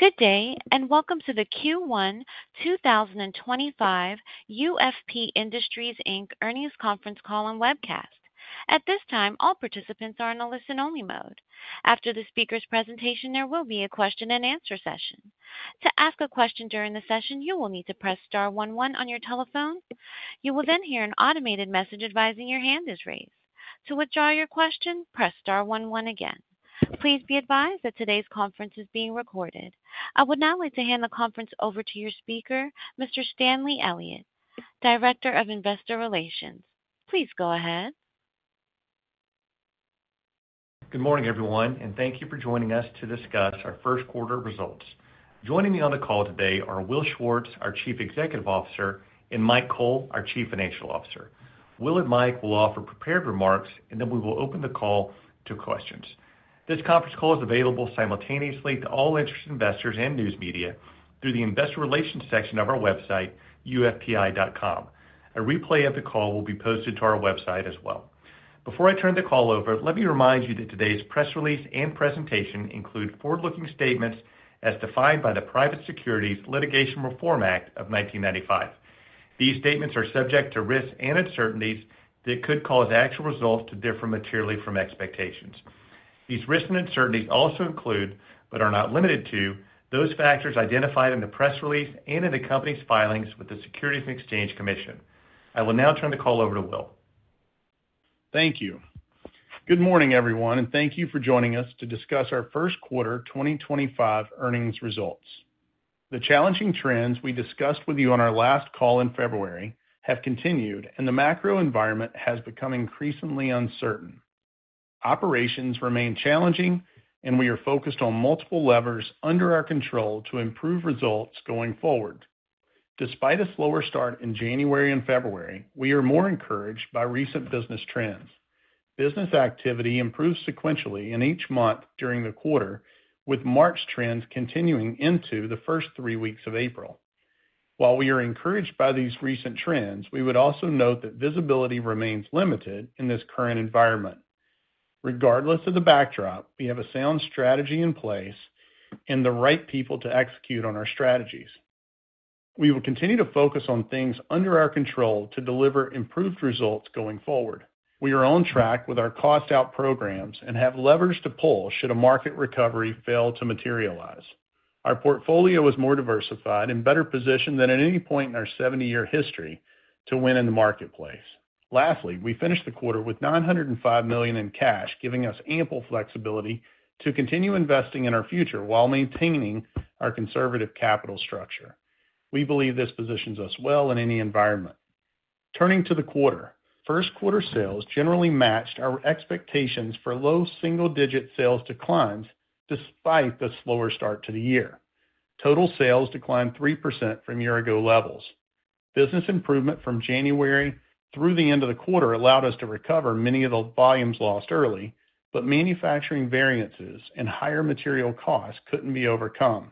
Good day, and welcome to the Q1 2025 UFP Industries Inc Earnings Conference Call and Webcast. At this time, all participants are in a listen-only mode. After the speaker's presentation, there will be a question-and-answer session. To ask a question during the session, you will need to press star one, one on your telephone. You will then hear an automated message advising your hand is raised. To withdraw your question, press star one, one again. Please be advised that today's conference is being recorded. I would now like to hand the conference over to your speaker, Mr. Stanley Elliott, Director of Investor Relations. Please go ahead. Good morning, everyone, and thank you for joining us to discuss our first quarter results. Joining me on the call today are Will Schwartz, our Chief Executive Officer, and Mike Cole, our Chief Financial Officer. Will and Mike will offer prepared remarks, and then we will open the call to questions. This conference call is available simultaneously to all interested investors and news media through the Investor Relations section of our website, ufpi.com. A replay of the call will be posted to our website as well. Before I turn the call over, let me remind you that today's press release and presentation include forward-looking statements as defined by the Private Securities Litigation Reform Act of 1995. These statements are subject to risks and uncertainties that could cause actual results to differ materially from expectations. These risks and uncertainties also include, but are not limited to, those factors identified in the press release and in the company's filings with the Securities and Exchange Commission. I will now turn the call over to Will. Thank you. Good morning, everyone, and thank you for joining us to discuss our first quarter 2025 earnings results. The challenging trends we discussed with you on our last call in February have continued, and the macro environment has become increasingly uncertain. Operations remain challenging, and we are focused on multiple levers under our control to improve results going forward. Despite a slower start in January and February, we are more encouraged by recent business trends. Business activity improves sequentially in each month during the quarter, with March trends continuing into the first three weeks of April. While we are encouraged by these recent trends, we would also note that visibility remains limited in this current environment. Regardless of the backdrop, we have a sound strategy in place and the right people to execute on our strategies. We will continue to focus on things under our control to deliver improved results going forward. We are on track with our cost-out programs and have levers to pull should a market recovery fail to materialize. Our portfolio is more diversified and better positioned than at any point in our 70-year history to win in the marketplace. Lastly, we finished the quarter with $905 million in cash, giving us ample flexibility to continue investing in our future while maintaining our conservative capital structure. We believe this positions us well in any environment. Turning to the quarter, first quarter sales generally matched our expectations for low single-digit sales declines despite the slower start to the year. Total sales declined 3% from year-ago levels. Business improvement from January through the end of the quarter allowed us to recover many of the volumes lost early, but manufacturing variances and higher material costs could not be overcome.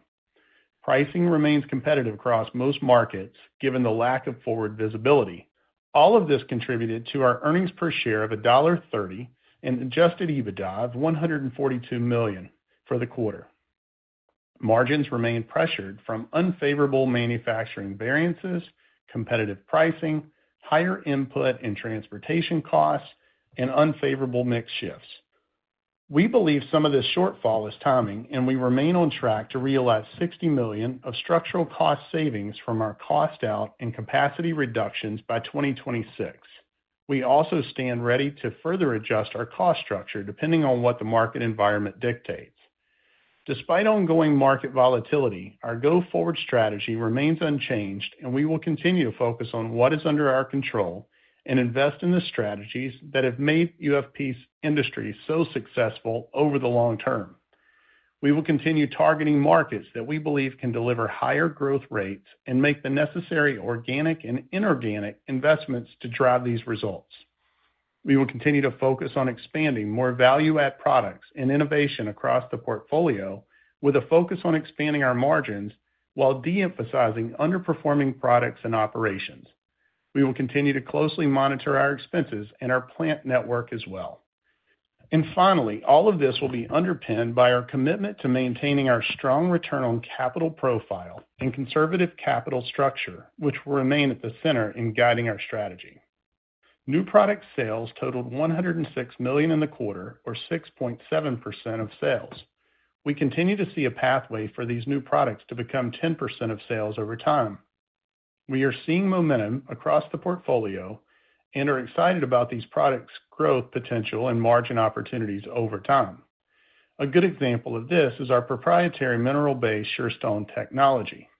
Pricing remains competitive across most markets given the lack of forward visibility. All of this contributed to our earnings per share of $1.30 and adjusted EBITDA of $142 million for the quarter. Margins remain pressured from unfavorable manufacturing variances, competitive pricing, higher input and transportation costs, and unfavorable mix shifts. We believe some of this shortfall is timing, and we remain on track to realize $60 million of structural cost savings from our cost-out and capacity reductions by 2026. We also stand ready to further adjust our cost structure depending on what the market environment dictates. Despite ongoing market volatility, our go-forward strategy remains unchanged, and we will continue to focus on what is under our control and invest in the strategies that have made UFP Industries so successful over the long term. We will continue targeting markets that we believe can deliver higher growth rates and make the necessary organic and inorganic investments to drive these results. We will continue to focus on expanding more value-add products and innovation across the portfolio, with a focus on expanding our margins while de-emphasizing underperforming products and operations. We will continue to closely monitor our expenses and our plant network as well. Finally, all of this will be underpinned by our commitment to maintaining our strong return on capital profile and conservative capital structure, which will remain at the center in guiding our strategy. New product sales totaled $106 million in the quarter, or 6.7% of sales. We continue to see a pathway for these new products to become 10% of sales over time. We are seeing momentum across the portfolio and are excited about these products' growth potential and margin opportunities over time. A good example of this is our proprietary mineral-based Surestone technology.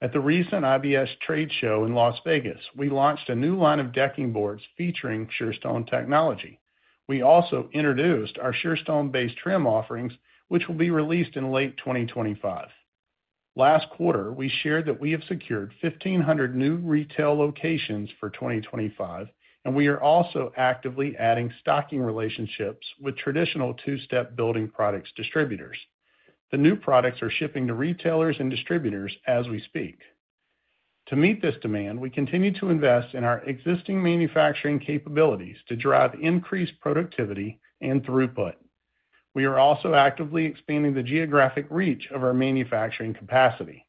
At the recent IBS Trade Show in Las Vegas, we launched a new line of decking boards featuring Surestone technology. We also introduced our Surestone-based trim offerings, which will be released in late 2025. Last quarter, we shared that we have secured 1,500 new retail locations for 2025, and we are also actively adding stocking relationships with traditional two-step building products distributors. The new products are shipping to retailers and distributors as we speak. To meet this demand, we continue to invest in our existing manufacturing capabilities to drive increased productivity and throughput. We are also actively expanding the geographic reach of our manufacturing capacity.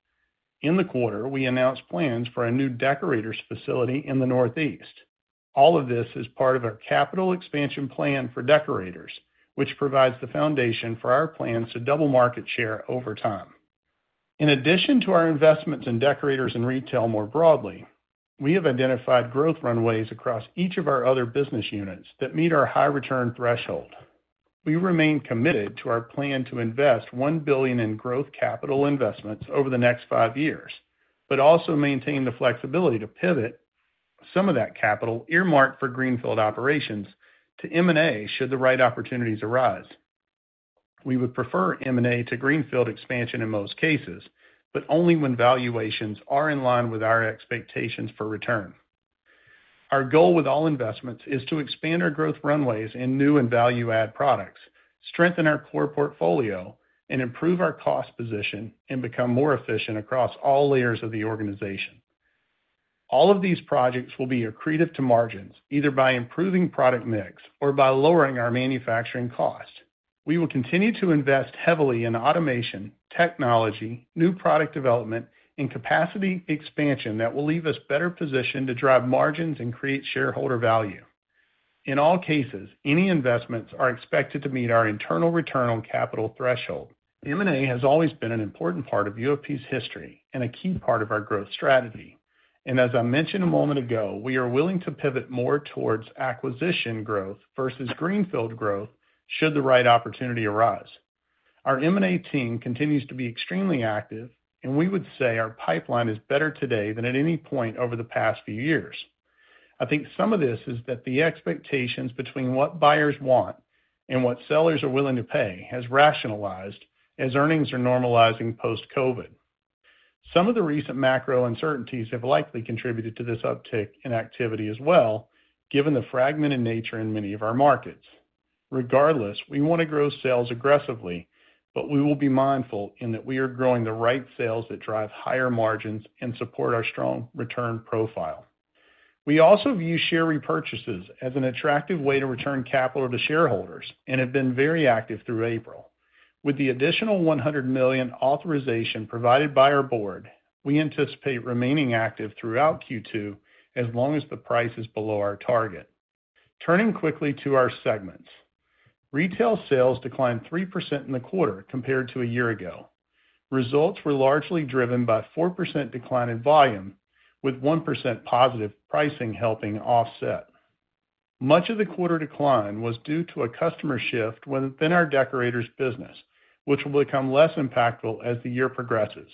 In the quarter, we announced plans for a new Deckorators facility in the Northeast. All of this is part of our capital expansion plan for Deckorators, which provides the foundation for our plans to double market share over time. In addition to our investments in Deckorators and retail more broadly, we have identified growth runways across each of our other business units that meet our high return threshold. We remain committed to our plan to invest $1 billion in growth capital investments over the next five years, but also maintain the flexibility to pivot some of that capital earmarked for greenfield operations to M&A should the right opportunities arise. We would prefer M&A to greenfield expansion in most cases, but only when valuations are in line with our expectations for return. Our goal with all investments is to expand our growth runways in new and value-add products, strengthen our core portfolio, and improve our cost position and become more efficient across all layers of the organization. All of these projects will be accretive to margins, either by improving product mix or by lowering our manufacturing cost. We will continue to invest heavily in automation, technology, new product development, and capacity expansion that will leave us better positioned to drive margins and create shareholder value. In all cases, any investments are expected to meet our internal return on capital threshold. M&A has always been an important part of UFP's history and a key part of our growth strategy. As I mentioned a moment ago, we are willing to pivot more towards acquisition growth versus greenfield growth should the right opportunity arise. Our M&A team continues to be extremely active, and we would say our pipeline is better today than at any point over the past few years. I think some of this is that the expectations between what buyers want and what sellers are willing to pay has rationalized as earnings are normalizing post-COVID. Some of the recent macro uncertainties have likely contributed to this uptick in activity as well, given the fragmented nature in many of our markets. Regardless, we want to grow sales aggressively, but we will be mindful in that we are growing the right sales that drive higher margins and support our strong return profile. We also view share repurchases as an attractive way to return capital to shareholders and have been very active through April. With the additional $100 million authorization provided by our board, we anticipate remaining active throughout Q2 as long as the price is below our target. Turning quickly to our segments, retail sales declined 3% in the quarter compared to a year ago. Results were largely driven by a 4% decline in volume, with 1% positive pricing helping offset. Much of the quarter decline was due to a customer shift within our Deckorators business, which will become less impactful as the year progresses.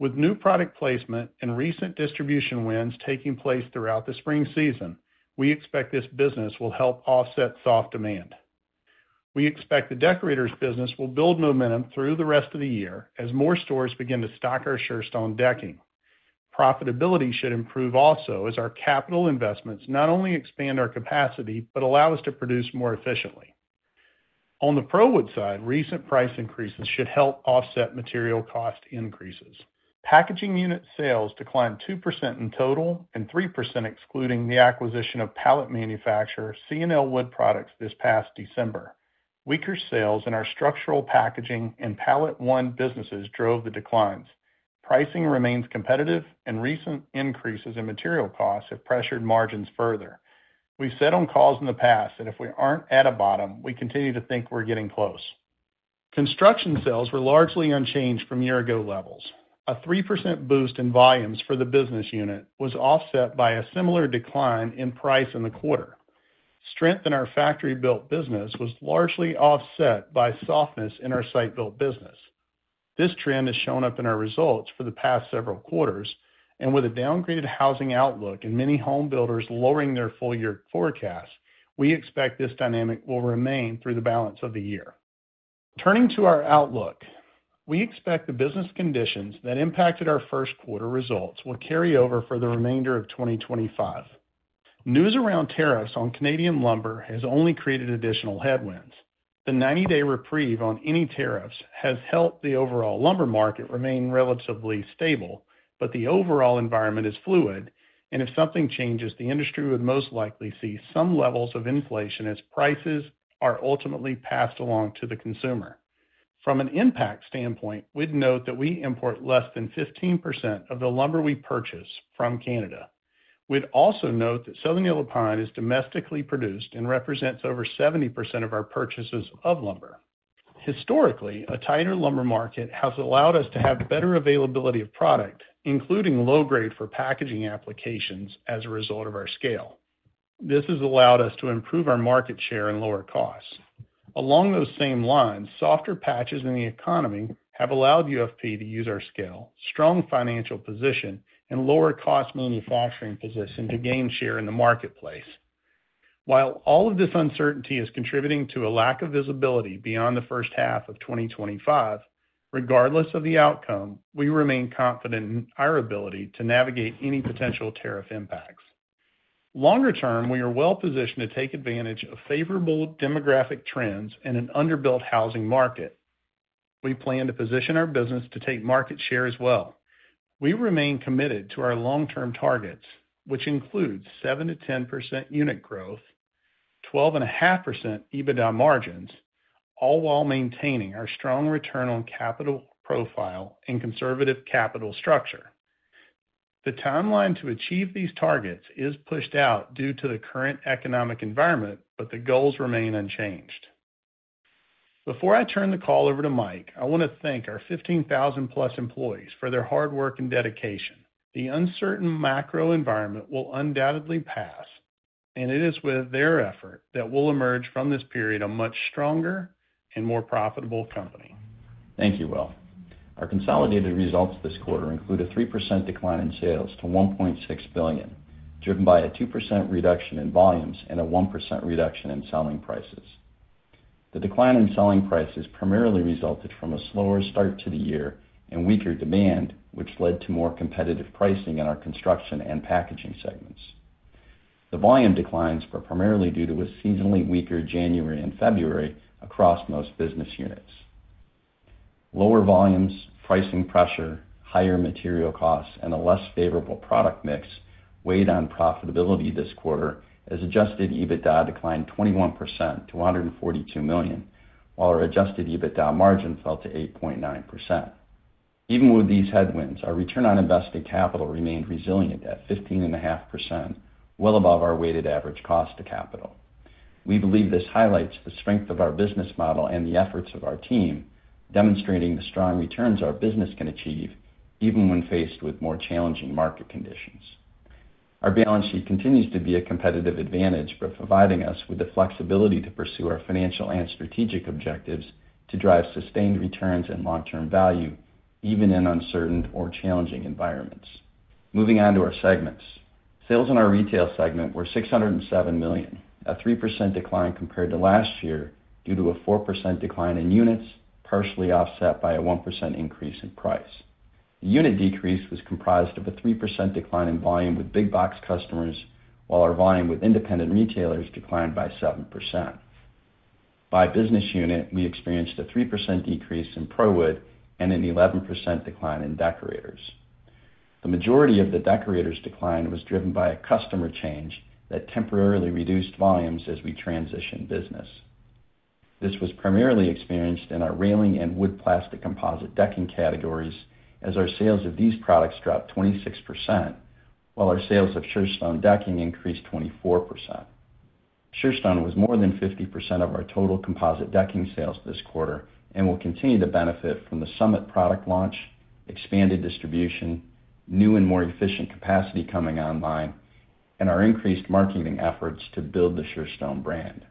With new product placement and recent distribution wins taking place throughout the spring season, we expect this business will help offset soft demand. We expect the Deckorators business will build momentum through the rest of the year as more stores begin to stock our Surestone decking. Profitability should improve also as our capital investments not only expand our capacity but allow us to produce more efficiently. On the ProWood side, recent price increases should help offset material cost increases. Packaging unit sales declined 2% in total and 3% excluding the acquisition of pallet manufacturer C&L Wood Products this past December. Weaker sales in our structural packaging and PalletOne businesses drove the declines. Pricing remains competitive, and recent increases in material costs have pressured margins further. We've said on calls in the past that if we aren't at a bottom, we continue to think we're getting close. Construction sales were largely unchanged from year-ago levels. A 3% boost in volumes for the business unit was offset by a similar decline in price in the quarter. Strength in our Factory Built business was largely offset by softness in our Site Built business. This trend has shown up in our results for the past several quarters, and with a downgraded housing outlook and many home builders lowering their full-year forecasts, we expect this dynamic will remain through the balance of the year. Turning to our outlook, we expect the business conditions that impacted our first quarter results will carry over for the remainder of 2025. News around tariffs on Canadian lumber has only created additional headwinds. The 90-day reprieve on any tariffs has helped the overall lumber market remain relatively stable, but the overall environment is fluid, and if something changes, the industry would most likely see some levels of inflation as prices are ultimately passed along to the consumer. From an impact standpoint, we'd note that we import less than 15% of the lumber we purchase from Canada. We'd also note that southern yellow pine is domestically produced and represents over 70% of our purchases of lumber. Historically, a tighter lumber market has allowed us to have better availability of product, including low-grade for packaging applications as a result of our scale. This has allowed us to improve our market share and lower costs. Along those same lines, softer patches in the economy have allowed UFP to use our scale, strong financial position, and lower-cost manufacturing position to gain share in the marketplace. While all of this uncertainty is contributing to a lack of visibility beyond the first half of 2025, regardless of the outcome, we remain confident in our ability to navigate any potential tariff impacts. Longer term, we are well-positioned to take advantage of favorable demographic trends and an underbuilt housing market. We plan to position our business to take market share as well. We remain committed to our long-term targets, which include 7%-10% unit growth, 12.5% EBITDA margins, all while maintaining our strong return on capital profile and conservative capital structure. The timeline to achieve these targets is pushed out due to the current economic environment, but the goals remain unchanged. Before I turn the call over to Mike, I want to thank our 15,000+ employees for their hard work and dedication. The uncertain macro environment will undoubtedly pass, and it is with their effort that we will emerge from this period a much stronger and more profitable company. Thank you, Will. Our consolidated results this quarter include a 3% decline in sales to $1.6 billion, driven by a 2% reduction in volumes and a 1% reduction in selling prices. The decline in selling prices primarily resulted from a slower start to the year and weaker demand, which led to more competitive pricing in our construction and packaging segments. The volume declines were primarily due to a seasonally weaker January and February across most business units. Lower volumes, pricing pressure, higher material costs, and a less favorable product mix weighed on profitability this quarter as adjusted EBITDA declined 21% to $142 million, while our adjusted EBITDA margin fell to 8.9%. Even with these headwinds, our return on invested capital remained resilient at 15.5%, well above our weighted average cost of capital. We believe this highlights the strength of our business model and the efforts of our team, demonstrating the strong returns our business can achieve even when faced with more challenging market conditions. Our balance sheet continues to be a competitive advantage, providing us with the flexibility to pursue our financial and strategic objectives to drive sustained returns and long-term value, even in uncertain or challenging environments. Moving on to our segments, sales in our retail segment were $607 million, a 3% decline compared to last year due to a 4% decline in units, partially offset by a 1% increase in price. The unit decrease was comprised of a 3% decline in volume with big box customers, while our volume with independent retailers declined by 7%. By business unit, we experienced a 3% decrease in ProWood and an 11% decline in Deckorators. The majority of the Deckorators' decline was driven by a customer change that temporarily reduced volumes as we transitioned business. This was primarily experienced in our railing and wood-plastic composite decking categories, as our sales of these products dropped 26%, while our sales of Surestone decking increased 24%. Surestone was more than 50% of our total composite decking sales this quarter and will continue to benefit from the Summit product launch, expanded distribution, new and more efficient capacity coming online, and our increased marketing efforts to build the Surestone brand.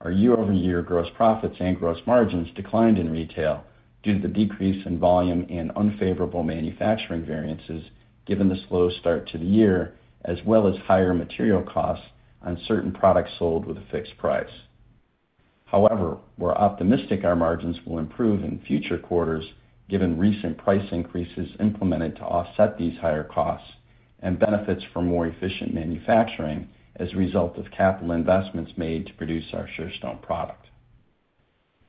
Our year-over-year gross profits and gross margins declined in retail due to the decrease in volume and unfavorable manufacturing variances given the slow start to the year, as well as higher material costs on certain products sold with a fixed price. However, we're optimistic our margins will improve in future quarters given recent price increases implemented to offset these higher costs and benefits from more efficient manufacturing as a result of capital investments made to produce our Surestone product.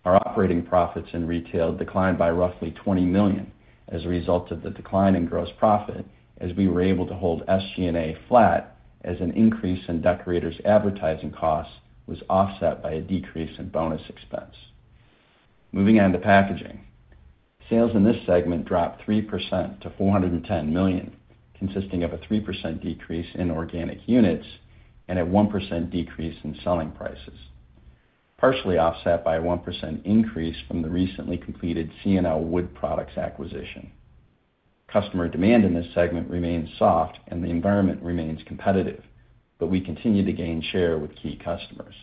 Our operating profits in retail declined by roughly $20 million as a result of the decline in gross profit as we were able to hold SG&A flat as an increase in Deckorators advertising costs was offset by a decrease in bonus expense. Moving on to packaging, sales in this segment dropped 3% to $410 million, consisting of a 3% decrease in organic units and a 1% decrease in selling prices, partially offset by a 1% increase from the recently completed C&L Wood Products acquisition. Customer demand in this segment remains soft and the environment remains competitive, but we continue to gain share with key customers.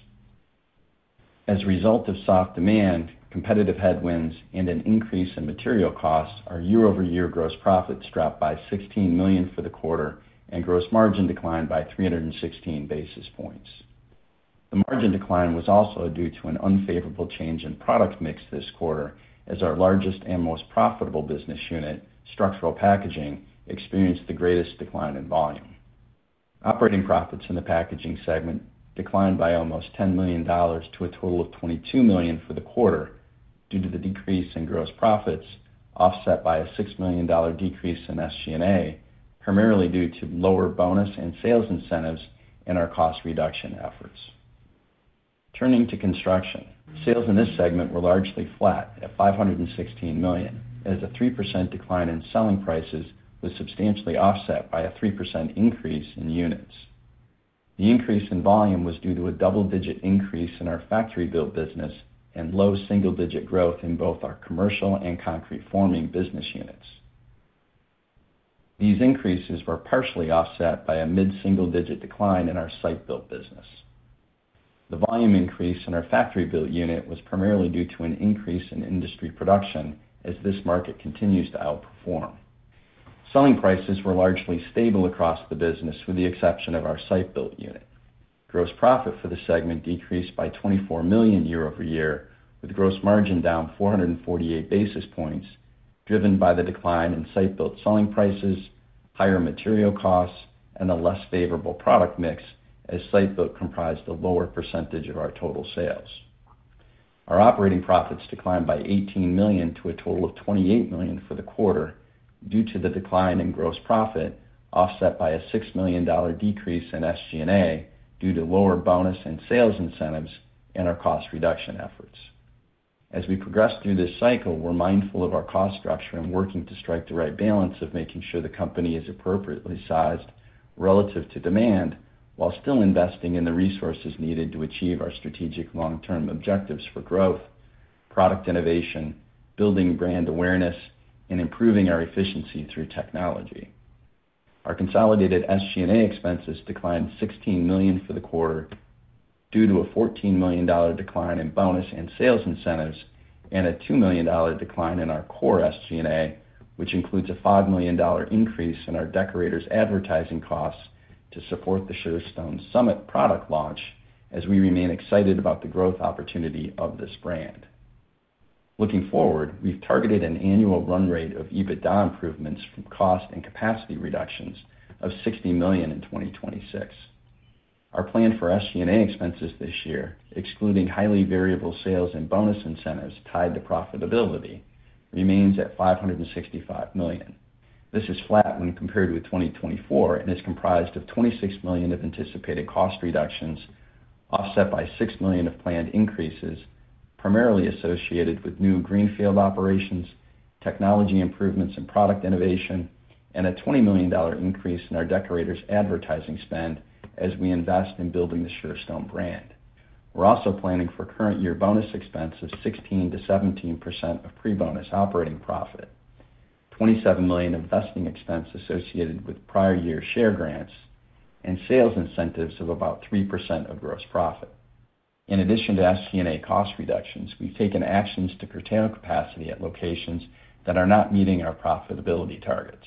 As a result of soft demand, competitive headwinds, and an increase in material costs, our year-over-year gross profits dropped by $16 million for the quarter and gross margin declined by 316 basis points. The margin decline was also due to an unfavorable change in product mix this quarter as our largest and most profitable business unit, structural packaging, experienced the greatest decline in volume. Operating profits in the packaging segment declined by almost $10 million to a total of $22 million for the quarter due to the decrease in gross profits, offset by a $6 million decrease in SG&A, primarily due to lower bonus and sales incentives and our cost reduction efforts. Turning to construction, sales in this segment were largely flat at $516 million, as a 3% decline in selling prices was substantially offset by a 3% increase in units. The increase in volume was due to a double-digit increase in our Factory Built business and low single-digit growth in both our commercial and concrete forming business units. These increases were partially offset by a mid-single-digit decline in our Site Built business. The volume increase in our Factory Built unit was primarily due to an increase in industry production as this market continues to outperform. Selling prices were largely stable across the business with the exception of our Site Built unit. Gross profit for the segment decreased by $24 million year-over-year, with gross margin down 448 basis points, driven by the decline in Site Built selling prices, higher material costs, and a less favorable product mix as Site Built comprised a lower percentage of our total sales. Our operating profits declined by $18 million to a total of $28 million for the quarter due to the decline in gross profit, offset by a $6 million decrease in SG&A due to lower bonus and sales incentives and our cost reduction efforts. As we progressed through this cycle, we're mindful of our cost structure and working to strike the right balance of making sure the company is appropriately sized relative to demand while still investing in the resources needed to achieve our strategic long-term objectives for growth, product innovation, building brand awareness, and improving our efficiency through technology. Our consolidated SG&A expenses declined $16 million for the quarter due to a $14 million decline in bonus and sales incentives and a $2 million decline in our core SG&A, which includes a $5 million increase in our Deckorators advertising costs to support the Surestone Summit product launch as we remain excited about the growth opportunity of this brand. Looking forward, we've targeted an annual run rate of EBITDA improvements from cost and capacity reductions of $60 million in 2026. Our plan for SG&A expenses this year, excluding highly variable sales and bonus incentives tied to profitability, remains at $565 million. This is flat when compared with 2024 and is comprised of $26 million of anticipated cost reductions, offset by $6 million of planned increases primarily associated with new greenfield operations, technology improvements in product innovation, and a $20 million increase in our Deckorators' advertising spend as we invest in building the Surestone brand. We're also planning for current year bonus expenses of 16%-17% of pre-bonus operating profit, $27 million in vesting expense associated with prior year share grants, and sales incentives of about 3% of gross profit. In addition to SG&A cost reductions, we've taken actions to curtail capacity at locations that are not meeting our profitability targets.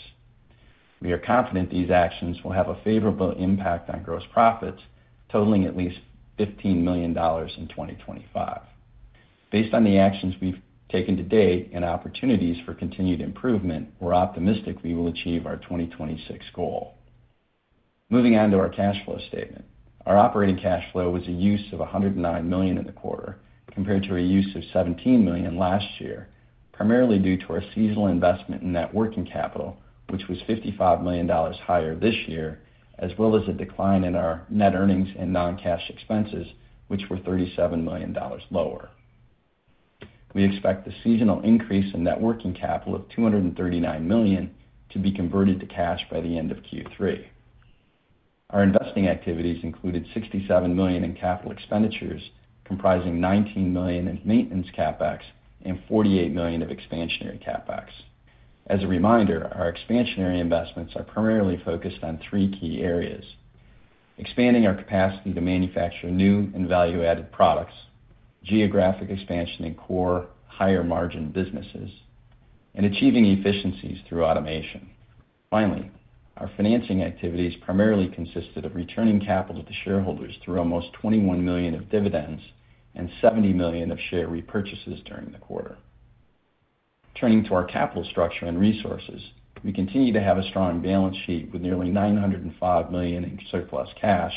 We are confident these actions will have a favorable impact on gross profits, totaling at least $15 million in 2025. Based on the actions we've taken to date and opportunities for continued improvement, we're optimistic we will achieve our 2026 goal. Moving on to our cash flow statement, our operating cash flow was a use of $109 million in the quarter compared to a use of $17 million last year, primarily due to our seasonal investment in net working capital, which was $55 million higher this year, as well as a decline in our net earnings and non-cash expenses, which were $37 million lower. We expect the seasonal increase in net working capital of $239 million to be converted to cash by the end of Q3. Our investing activities included $67 million in capital expenditures, comprising $19 million in maintenance CapEx and $48 million of expansionary CapEx. As a reminder, our expansionary investments are primarily focused on three key areas: expanding our capacity to manufacture new and value-added products, geographic expansion in core, higher margin businesses, and achieving efficiencies through automation. Finally, our financing activities primarily consisted of returning capital to shareholders through almost $21 million of dividends and $70 million of share repurchases during the quarter. Turning to our capital structure and resources, we continue to have a strong balance sheet with nearly $905 million in surplus cash,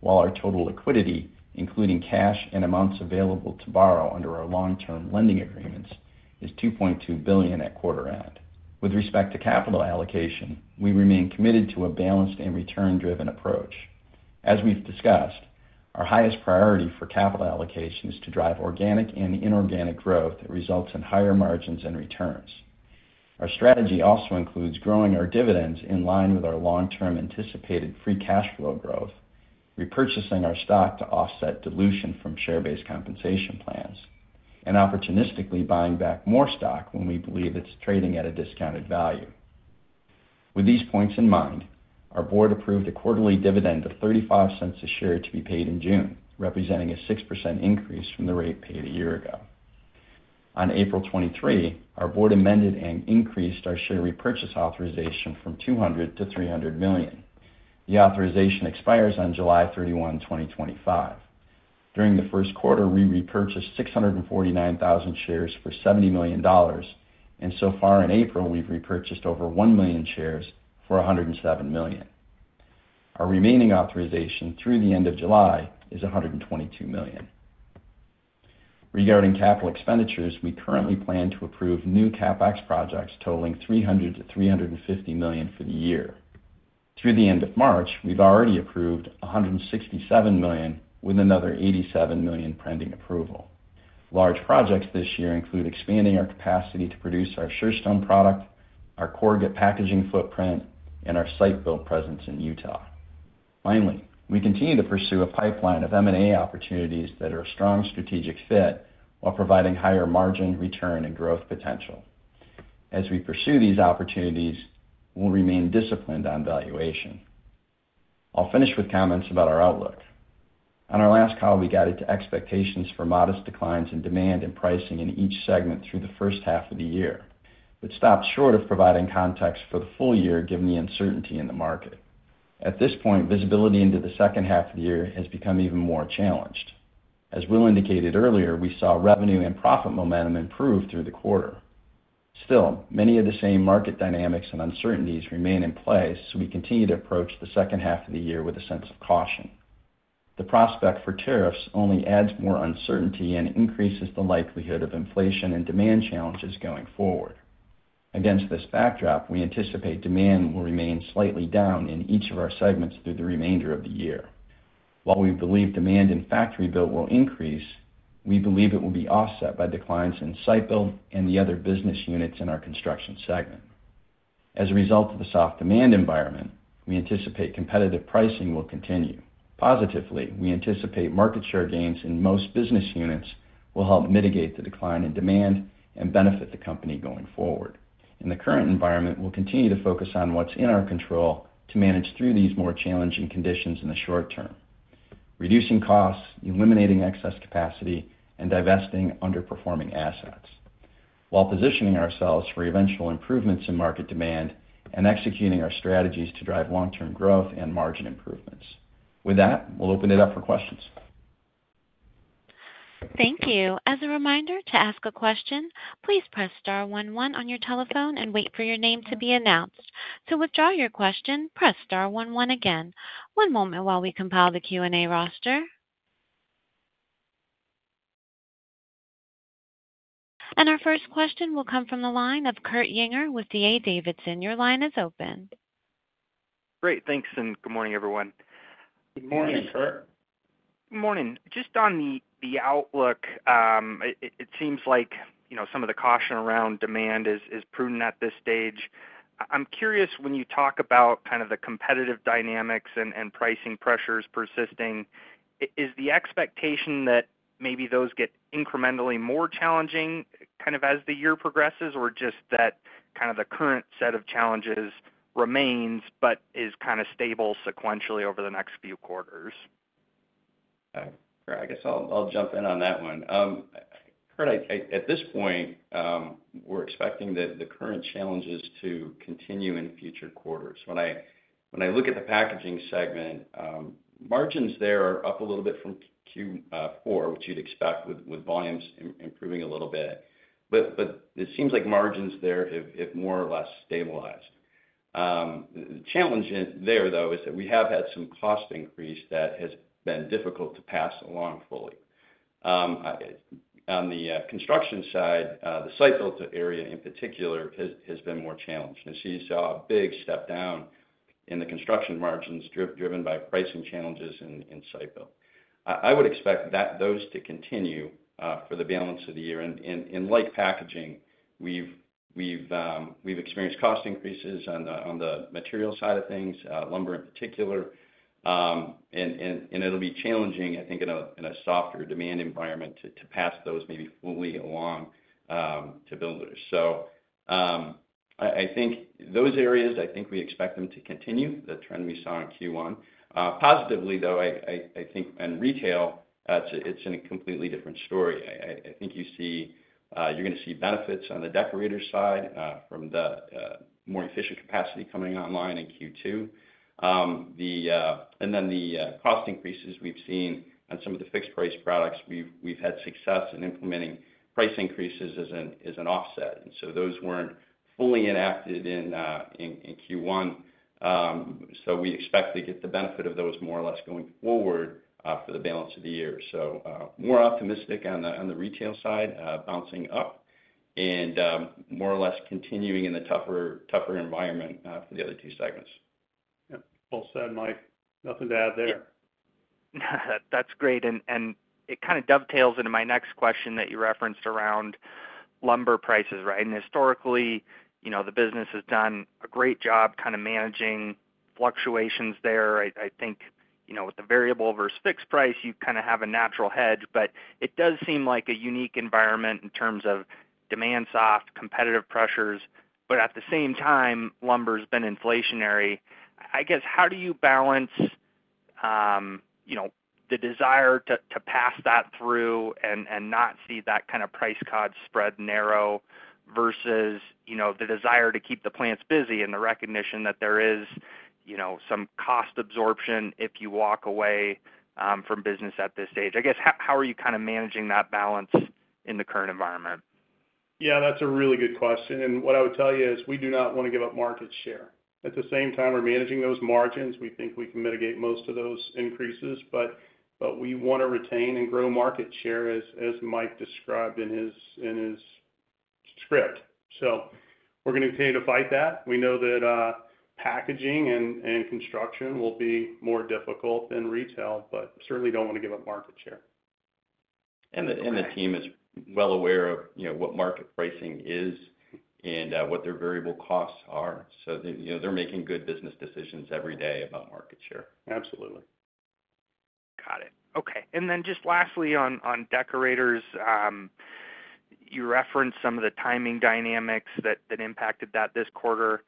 while our total liquidity, including cash and amounts available to borrow under our long-term lending agreements, is $2.2 billion at quarter end. With respect to capital allocation, we remain committed to a balanced and return-driven approach. As we've discussed, our highest priority for capital allocation is to drive organic and inorganic growth that results in higher margins and returns. Our strategy also includes growing our dividends in line with our long-term anticipated free cash flow growth, repurchasing our stock to offset dilution from share-based compensation plans, and opportunistically buying back more stock when we believe it's trading at a discounted value. With these points in mind, our board approved a quarterly dividend of $0.35 a share to be paid in June, representing a 6% increase from the rate paid a year ago. On April 23, our board amended and increased our share repurchase authorization from $200 million to $300 million. The authorization expires on July 31, 2025. During the first quarter, we repurchased 649,000 shares for $70 million, and so far in April, we've repurchased over 1 million shares for $107 million. Our remaining authorization through the end of July is $122 million. Regarding capital expenditures, we currently plan to approve new CapEx projects totaling $300 million-$350 million for the year. Through the end of March, we've already approved $167 million with another $87 million pending approval. Large projects this year include expanding our capacity to produce our Surestone product, our core packaging footprint, and our Site Built presence in Utah. Finally, we continue to pursue a pipeline of M&A opportunities that are a strong strategic fit while providing higher margin, return, and growth potential. As we pursue these opportunities, we'll remain disciplined on valuation. I'll finish with comments about our outlook. On our last call, we guided to expectations for modest declines in demand and pricing in each segment through the first half of the year, but stopped short of providing context for the full year given the uncertainty in the market. At this point, visibility into the second half of the year has become even more challenged. As Will indicated earlier, we saw revenue and profit momentum improve through the quarter. Still, many of the same market dynamics and uncertainties remain in place, so we continue to approach the second half of the year with a sense of caution. The prospect for tariffs only adds more uncertainty and increases the likelihood of inflation and demand challenges going forward. Against this backdrop, we anticipate demand will remain slightly down in each of our segments through the remainder of the year. While we believe demand in Factory Built will increase, we believe it will be offset by declines in Site Built and the other business units in our construction segment. As a result of the soft demand environment, we anticipate competitive pricing will continue. Positively, we anticipate market share gains in most business units will help mitigate the decline in demand and benefit the company going forward. In the current environment, we'll continue to focus on what's in our control to manage through these more challenging conditions in the short term, reducing costs, eliminating excess capacity, and divesting underperforming assets, while positioning ourselves for eventual improvements in market demand and executing our strategies to drive long-term growth and margin improvements. With that, we'll open it up for questions. Thank you. As a reminder, to ask a question, please press star one, one on your telephone and wait for your name to be announced. To withdraw your question, press star one, one again. One moment while we compile the Q&A roster. Our first question will come from the line of Kurt Yinger with D.A. Davidson. Your line is open. Great. Thanks and good morning, everyone. Good morning, Curt. Good morning. Just on the outlook, it seems like some of the caution around demand is prudent at this stage. I'm curious, when you talk about kind of the competitive dynamics and pricing pressures persisting, is the expectation that maybe those get incrementally more challenging kind of as the year progresses, or just that kind of the current set of challenges remains but is kind of stable sequentially over the next few quarters? I guess I'll jump in on that one. Kurt, at this point, we're expecting that the current challenges to continue in future quarters. When I look at the packaging segment, margins there are up a little bit from Q4, which you'd expect with volumes improving a little bit. It seems like margins there have more or less stabilized. The challenge there, though, is that we have had some cost increase that has been difficult to pass along fully. On the construction side, the Site Built area in particular has been more challenged. You see a big step down in the construction margins driven by pricing challenges in Site Built. I would expect those to continue for the balance of the year. Like packaging, we've experienced cost increases on the material side of things, lumber in particular. It'll be challenging, I think, in a softer demand environment to pass those maybe fully along to builders. I think those areas, I think we expect them to continue, the trend we saw in Q1. Positively, though, I think in retail, it's a completely different story. I think you're going to see benefits on the Deckorator side from the more efficient capacity coming online in Q2. The cost increases we have seen on some of the fixed-price products, we have had success in implementing price increases as an offset. Those were not fully enacted in Q1. We expect to get the benefit of those more or less going forward for the balance of the year. We are more optimistic on the retail side, bouncing up, and more or less continuing in the tougher environment for the other two segments. Yeah. Well said, Mike, nothing to add there. That is great. It kind of dovetails into my next question that you referenced around lumber prices, right? Historically, the business has done a great job kind of managing fluctuations there. I think with the variable versus fixed price, you kind of have a natural hedge, but it does seem like a unique environment in terms of demand soft, competitive pressures. At the same time, lumber has been inflationary. I guess, how do you balance the desire to pass that through and not see that kind of price cost spread narrow versus the desire to keep the plants busy and the recognition that there is some cost absorption if you walk away from business at this stage? I guess, how are you kind of managing that balance in the current environment? Yeah, that's a really good question. What I would tell you is we do not want to give up market share. At the same time, we're managing those margins. We think we can mitigate most of those increases, but we want to retain and grow market share as Mike described in his script. We are going to continue to fight that. We know that packaging and construction will be more difficult than retail, but certainly do not want to give up market share. The team is well aware of what market pricing is and what their variable costs are. They are making good business decisions every day about market share. Absolutely. Got it. Okay. Lastly, on Deckorators, you referenced some of the timing dynamics that impacted that this quarter.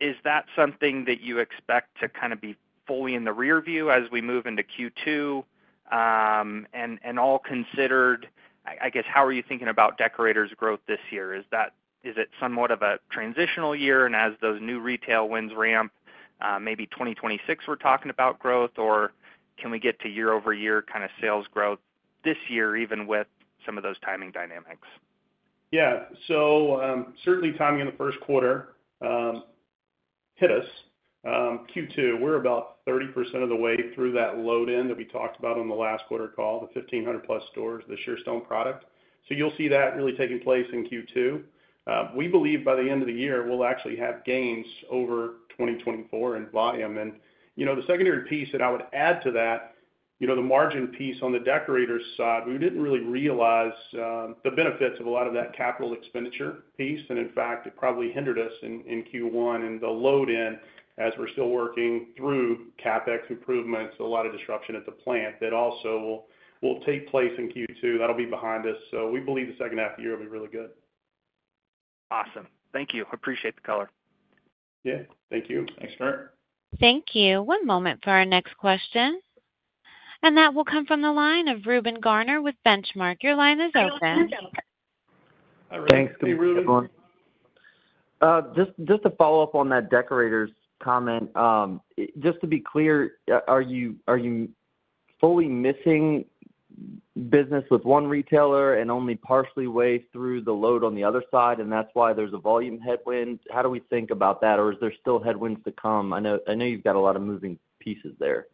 Is that something that you expect to be fully in the rearview as we move into Q2? All considered, how are you thinking about Deckorators' growth this year? Is it somewhat of a transitional year? As those new retail wins ramp, maybe 2026, we are talking about growth, or can we get to year-over-year sales growth this year, even with some of those timing dynamics? Yeah. Certainly, timing in the first quarter hit us. Q2, we're about 30% of the way through that load-in that we talked about on the last quarter call, the 1,500+ stores of the Surestone product. You'll see that really taking place in Q2. We believe by the end of the year, we'll actually have gains over 2024 in volume. The secondary piece that I would add to that, the margin piece on the Deckorators' side, we didn't really realize the benefits of a lot of that capital expenditure piece. In fact, it probably hindered us in Q1 and the load-in as we're still working through CapEx improvements, a lot of disruption at the plant that also will take place in Q2. That'll be behind us. We believe the second half of the year will be really good. Awesome. Thank you. Appreciate the color. Yeah. Thank you. Thanks, Curt. Thank you. One moment for our next question. That will come from the line of Reuben Garner with Benchmark. Your line is open. Thanks. Good morning. Just to follow up on that Deckorators' comment, just to be clear, are you fully missing business with one retailer and only partially way through the load on the other side? That is why there is a volume headwind. How do we think about that? Is there still headwinds to come? I know you have got a lot of moving pieces there.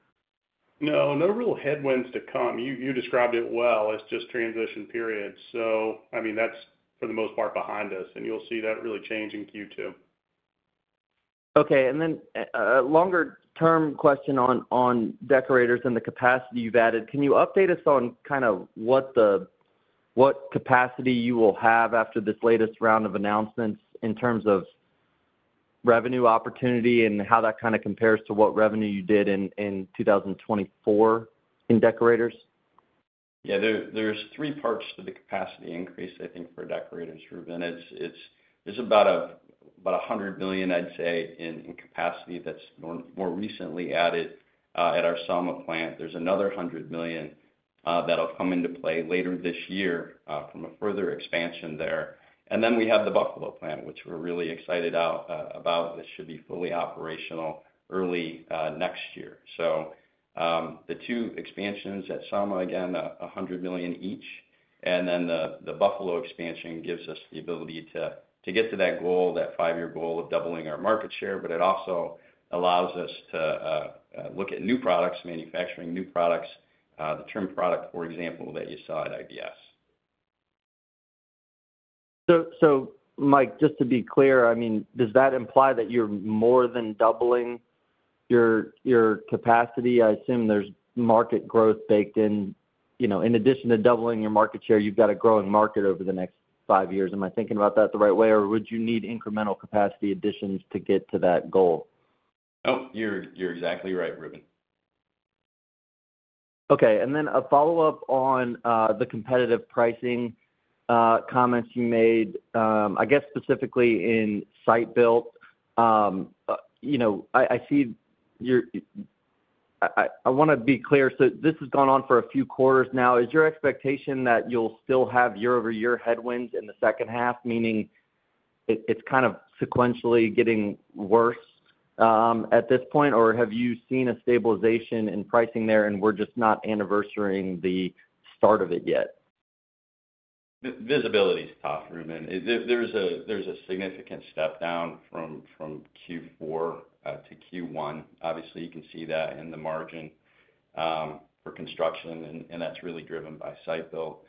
No, no real headwinds to come. You described it well as just transition periods. I mean, that is for the most part behind us. You will see that really change in Q2. Okay. A longer-term question on Deckorators and the capacity you have added. Can you update us on kind of what capacity you will have after this latest round of announcements in terms of revenue opportunity and how that kind of compares to what revenue you did in 2024 in Deckorators? Yeah. There's three parts to the capacity increase, I think, for Deckorators. Reuben, it's about $100 million, I'd say, in capacity that's more recently added at our Selma plant. There's another $100 million that'll come into play later this year from a further expansion there. We have the Buffalo plant, which we're really excited about. This should be fully operational early next year. The two expansions at Selma, again, $100 million each. The Buffalo expansion gives us the ability to get to that goal, that five-year goal of doubling our market share, but it also allows us to look at new products, manufacturing new products, the trim product, for example, that you saw at IBS. Mike, just to be clear, I mean, does that imply that you're more than doubling your capacity? I assume there's market growth baked in. In addition to doubling your market share, you've got a growing market over the next five years. Am I thinking about that the right way, or would you need incremental capacity additions to get to that goal? You're exactly right, Reuben. Okay. A follow-up on the competitive pricing comments you made, I guess, specifically in Site Built. I want to be clear. This has gone on for a few quarters now. Is your expectation that you'll still have year-over-year headwinds in the second half, meaning it's kind of sequentially getting worse at this point? Or have you seen a stabilization in pricing there and we're just not anniversarying the start of it yet? Visibility is tough, Reuben. There's a significant step down from Q4 to Q1. Obviously, you can see that in the margin for construction, and that's really driven by Site Built.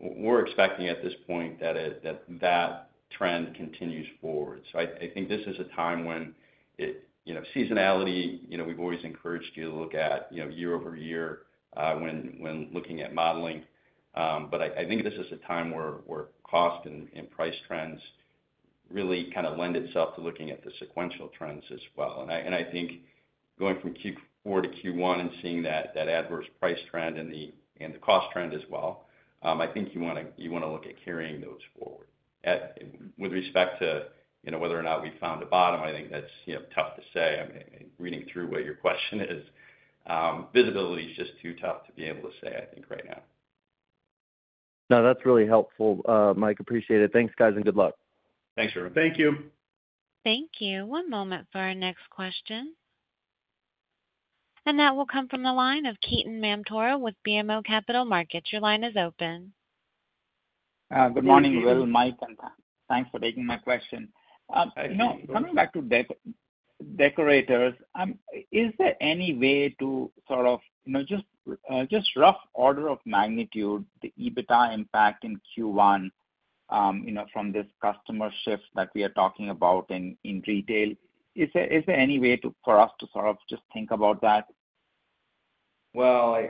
We're expecting at this point that that trend continues forward. I think this is a time when seasonality, we've always encouraged you to look at year-over-year when looking at modeling. I think this is a time where cost and price trends really kind of lend itself to looking at the sequential trends as well. I think going from Q4 to Q1 and seeing that adverse price trend and the cost trend as well, I think you want to look at carrying those forward. With respect to whether or not we found a bottom, I think that's tough to say. I mean, reading through what your question is, visibility is just too tough to be able to say, I think, right now. No, that's really helpful, Mike. Appreciate it. Thanks, guys, and good luck. Thanks, Reuben. Thank you. Thank you. One moment for our next question. That will come from the line of Ketan Mamtora with BMO Capital Markets. Your line is open. Good morning, Will, Mike, and thanks for taking my question. Coming back to Deckorators, is there any way to sort of just rough order of magnitude, the EBITDA impact in Q1 from this customer shift that we are talking about in detail? Is there any way for us to sort of just think about that? You have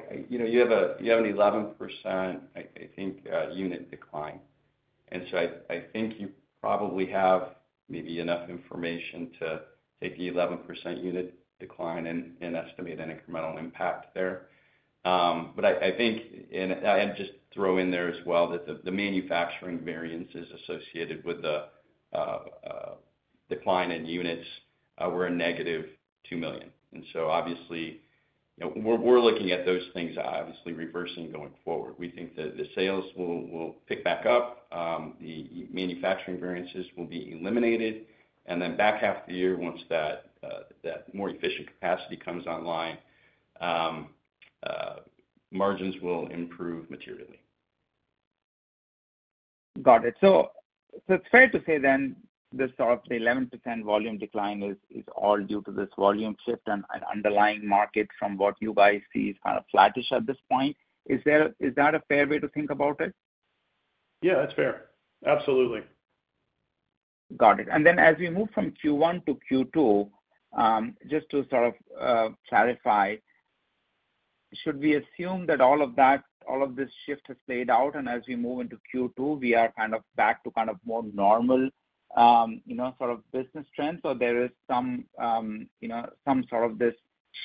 an 11% unit decline. I think you probably have maybe enough information to take the 11% unit decline and estimate an incremental impact there. I think, and I'll just throw in there as well, that the manufacturing variances associated with the decline in units were a -$2 million. Obviously, we're looking at those things obviously reversing going forward. We think that the sales will pick back up. The manufacturing variances will be eliminated. Back half the year, once that more efficient capacity comes online, margins will improve materially. Got it. It's fair to say then that sort of the 11% volume decline is all due to this volume shift and underlying market from what you guys see is kind of flattish at this point. Is that a fair way to think about it? Yeah, that's fair. Absolutely. Got it. As we move from Q1 to Q2, just to sort of clarify, should we assume that all of this shift has played out, and as we move into Q2, we are kind of back to kind of more normal sort of business trends, or there is some sort of this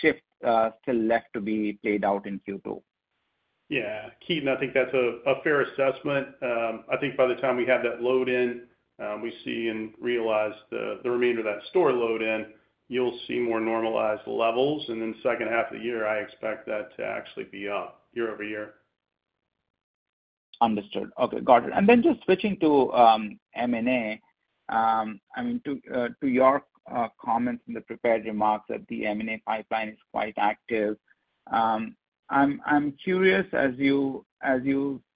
shift still left to be played out in Q2? Yeah. Ketan, I think that's a fair assessment. I think by the time we have that load-in, we see and realize the remainder of that store load-in, you'll see more normalized levels. Second half of the year, I expect that to actually be up year-over-year. Understood. Okay. Got it. Just switching to M&A, I mean, to your comments in the prepared remarks that the M&A pipeline is quite active. I'm curious, as you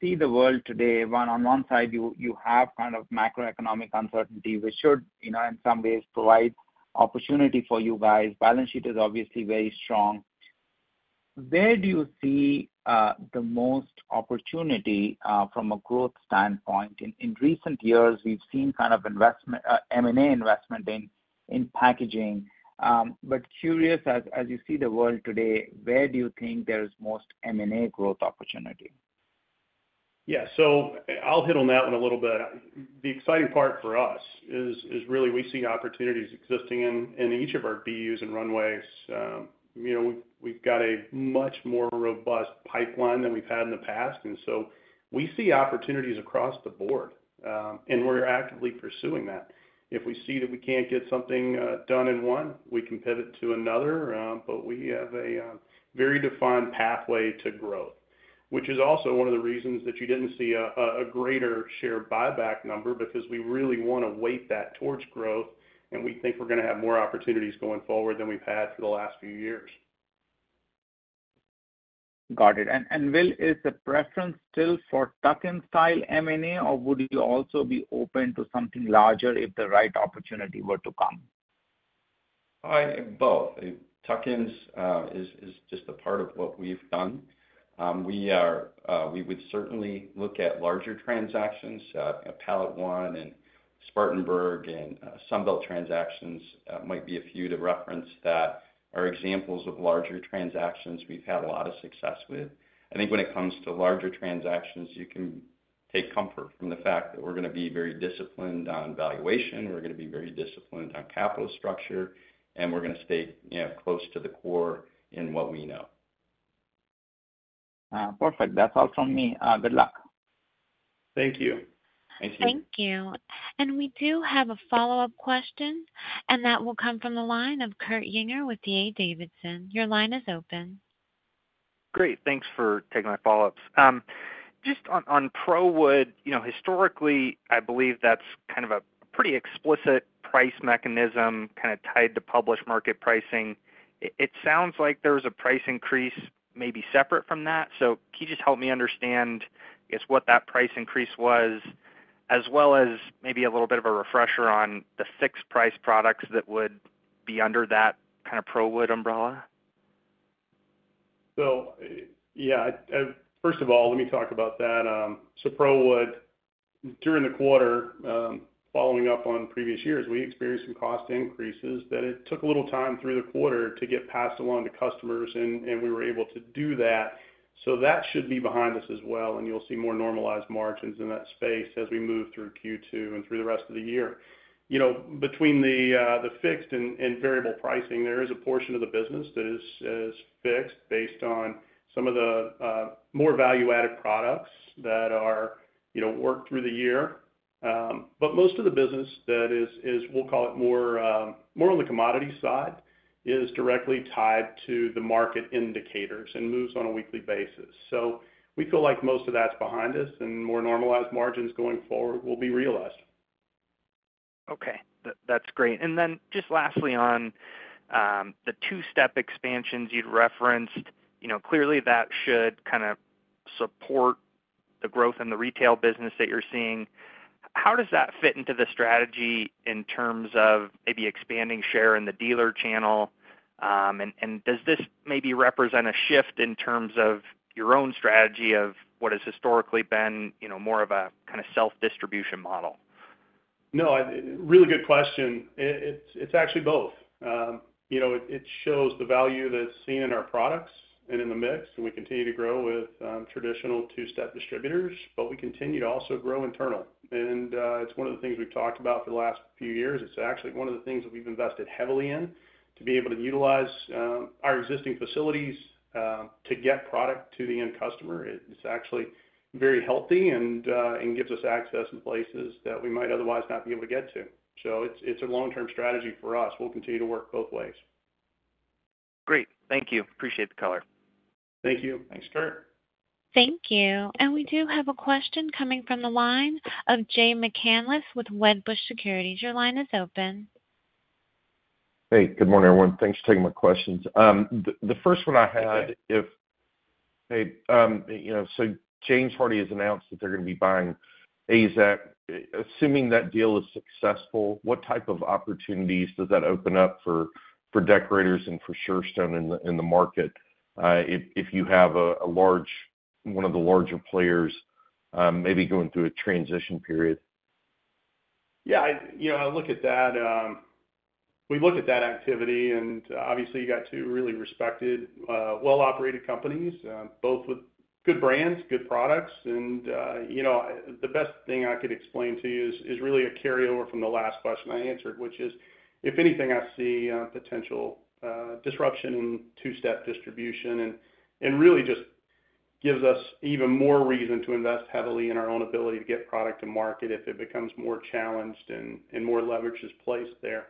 see the world today, on one side, you have kind of macroeconomic uncertainty, which should in some ways provide opportunity for you guys. Balance sheet is obviously very strong. Where do you see the most opportunity from a growth standpoint? In recent years, we've seen kind of M&A investment in packaging. Curious, as you see the world today, where do you think there is most M&A growth opportunity? Yeah. I'll hit on that one a little bit. The exciting part for us is really we see opportunities existing in each of our BUs and runways. We've got a much more robust pipeline than we've had in the past. We see opportunities across the board, and we're actively pursuing that. If we see that we can't get something done in one, we can pivot to another. We have a very defined pathway to growth, which is also one of the reasons that you didn't see a greater share buyback number because we really want to weight that towards growth, and we think we're going to have more opportunities going forward than we've had for the last few years. Got it. Will, is the preference still for tuck-in-style M&A, or would you also be open to something larger if the right opportunity were to come? Both. tuck-ins is just a part of what we've done. We would certainly look at larger transactions. PalletOne and Spartanburg and Sunbelt transactions might be a few to reference that are examples of larger transactions we've had a lot of success with. I think when it comes to larger transactions, you can take comfort from the fact that we're going to be very disciplined on valuation. We're going to be very disciplined on capital structure, and we're going to stay close to the core in what we know. Perfect. That's all from me. Good luck. Thank you. Thank you. Thank you. We do have a follow-up question, and that will come from the line of Kurt Yinger with D.A. Davidson. Your line is open. Great. Thanks for taking my follow-ups. Just on ProWood, historically, I believe that's kind of a pretty explicit price mechanism kind of tied to published market pricing. It sounds like there was a price increase maybe separate from that. Can you just help me understand, I guess, what that price increase was, as well as maybe a little bit of a refresher on the fixed-price products that would be under that kind of ProWood umbrella? Yeah. First of all, let me talk about that. ProWood, during the quarter, following up on previous years, we experienced some cost increases that it took a little time through the quarter to get passed along to customers, and we were able to do that. That should be behind us as well. You'll see more normalized margins in that space as we move through Q2 and through the rest of the year. Between the fixed and variable pricing, there is a portion of the business that is fixed based on some of the more value-added products that are worked through the year. Most of the business that is, we'll call it more on the commodity side, is directly tied to the market indicators and moves on a weekly basis. We feel like most of that's behind us, and more normalized margins going forward will be realized. That's great. Lastly, on the two-step expansions you'd referenced, clearly that should kind of support the growth in the retail business that you're seeing. How does that fit into the strategy in terms of maybe expanding share in the dealer channel? Does this maybe represent a shift in terms of your own strategy of what has historically been more of a kind of self-distribution model? No, really good question. It's actually both. It shows the value that's seen in our products and in the mix. We continue to grow with traditional two-step distributors, but we continue to also grow internal. It is one of the things we have talked about for the last few years. It is actually one of the things that we have invested heavily in to be able to utilize our existing facilities to get product to the end customer. It is actually very healthy and gives us access in places that we might otherwise not be able to get to. It is a long-term strategy for us. We will continue to work both ways. Great. Thank you. Appreciate the color. Thank you. Thanks, Kurt. Thank you. We do have a question coming from the line of Jay McCanless with Wedbush Securities. Your line is open. Hey, good morning, everyone. Thanks for taking my questions. The first one I had, if hey, so James Hardie has announced that they are going to be buying AZEK. Assuming that deal is successful, what type of opportunities does that open up for Deckorators and for Surestone in the market if you have one of the larger players maybe going through a transition period? Yeah. I look at that. We look at that activity, and obviously, you got two really respected, well-operated companies, both with good brands, good products. The best thing I could explain to you is really a carryover from the last question I answered, which is, if anything, I see potential disruption in two-step distribution and really just gives us even more reason to invest heavily in our own ability to get product to market if it becomes more challenged and more leverage is placed there.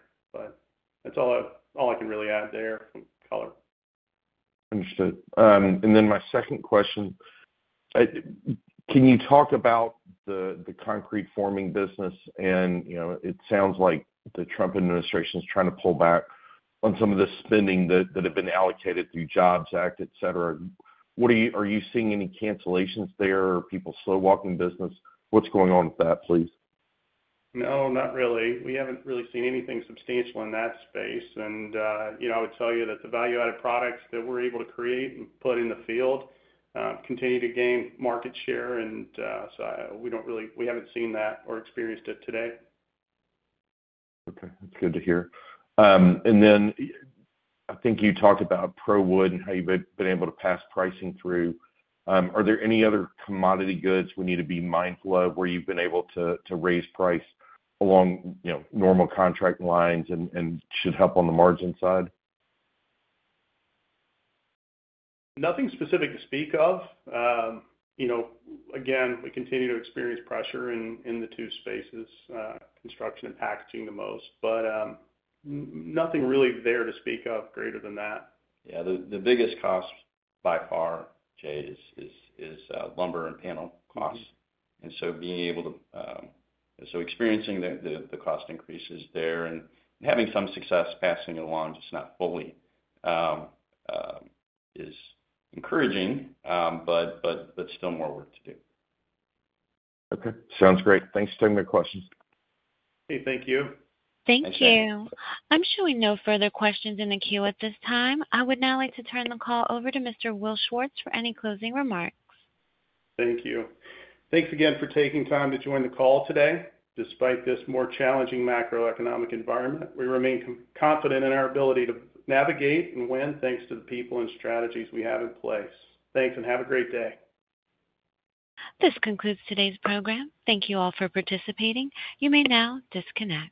That's all I can really add there for color. Understood. My second question, can you talk about the concrete forming business? It sounds like the Trump administration is trying to pull back on some of the spending that had been allocated through Jobs Act, etc. Are you seeing any cancellations there or people slow-walking business? What's going on with that, please? No, not really. We haven't really seen anything substantial in that space. I would tell you that the value-added products that we're able to create and put in the field continue to gain market share. We haven't seen that or experienced it today. Okay. That's good to hear. I think you talked about ProWood and how you've been able to pass pricing through. Are there any other commodity goods we need to be mindful of where you've been able to raise price along normal contract lines and should help on the margin side? Nothing specific to speak of. Again, we continue to experience pressure in the two spaces, construction and packaging the most, but nothing really there to speak of greater than that. Yeah. The biggest cost by far, Jay, is lumber and panel costs. And so being able to, so experiencing the cost increases there and having some success passing it along, just not fully, is encouraging, but still more work to do. Okay. Sounds great. Thanks for taking my questions. Jay, thank you. Thank you. I'm showing no further questions in the queue at this time. I would now like to turn the call over to Mr. Will Schwartz for any closing remarks. Thank you. Thanks again for taking time to join the call today. Despite this more challenging macroeconomic environment, we remain confident in our ability to navigate and win thanks to the people and strategies we have in place. Thanks and have a great day. This concludes today's program. Thank you all for participating. You may now disconnect.